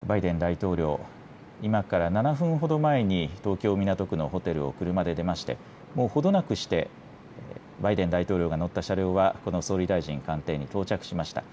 バイデン大統領、今から７分ほど前に東京・港区のホテルを車で出まして、もうほどなくしてバイデン大統領が乗った車両はこの総理大臣官邸に到着しました。